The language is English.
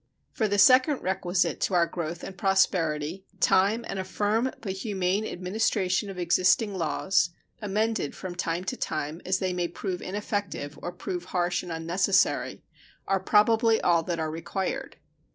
For the second requisite to our growth and prosperity time and a firm but humane administration of existing laws (amended from time to time as they may prove ineffective or prove harsh and unnecessary) are probably all that are required.